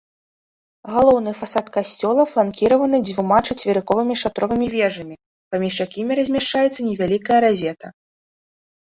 Галоўны фасад касцёла фланкіраваны дзвюма чацверыковымі шатровымі вежамі, паміж якімі размяшчаецца невялікая разета.